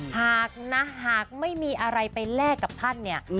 หากนะหากไม่มีอะไรไปแลกกับท่านเนี่ย